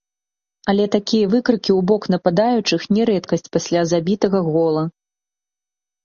Але такія выкрыкі ў бок нападаючых не рэдкасць пасля забітага гола.